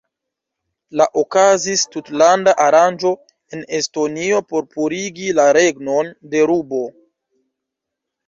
La okazis tutlanda aranĝo en Estonio por purigi la regnon de rubo.